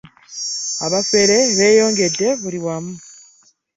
abafeere bbeyongedde buli wamu